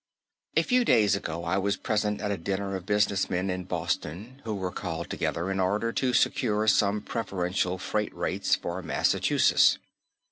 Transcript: A few days ago I was present at a dinner of business men in Boston who were called together in order to secure some preferential freight rates for Massachusetts.